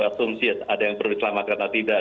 asumsi ada yang perlu diselamatkan atau tidak